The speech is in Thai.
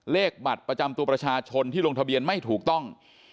เลขบัตรประจำตัวประชาชนที่ลงทะเบียนไม่ถูกต้อง